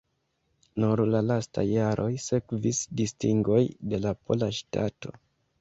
Nur en la lastaj jaroj sekvis distingoj de la pola ŝtato.